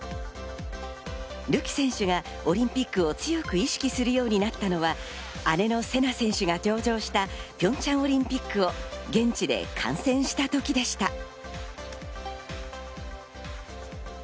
るき選手がオリンピックを強く意識するようになったのは姉のせな選手が登場したピョンチャンオリンピックを現地で観戦した時でした。